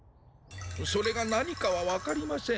それがなにかはわかりません。